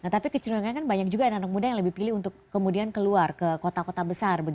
tapi kecenderungannya kan banyak juga anak anak muda yang lebih pilih untuk kemudian keluar ke kota kota besar